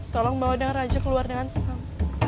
tolong bawa deng raja keluar dengan senang